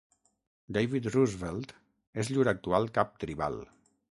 David Roosevelt és llur actual cap tribal.